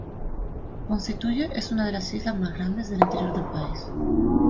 Constituye es una de las islas más grandes del interior del país.